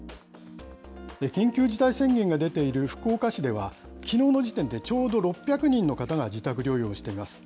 緊急事態宣言が出ている福岡市では、きのうの時点でちょうど６００人の方が自宅療養しています。